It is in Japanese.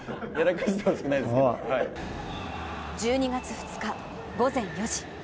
１２月２日、午前４時。